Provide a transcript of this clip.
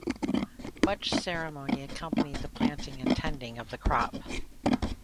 Much ceremony accompanied the planting and tending of the crop.